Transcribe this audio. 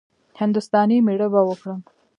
هـنـدوستانی ميړه به وکړم.